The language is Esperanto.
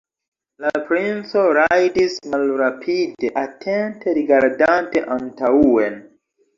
La princo rajdis malrapide, atente rigardante antaŭen.